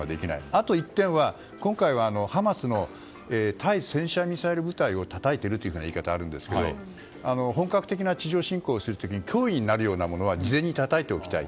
あと１点はハマスの対戦車ミサイル部隊をたたいているという言い方もありますが本格的な地上侵攻をする時に脅威になるようなものは事前にたたいておきたい。